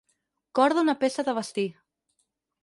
Corda una peça de vestir.